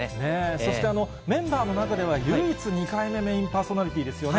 そして、メンバーの中では唯一、２回目メインパーソナリティーですよね。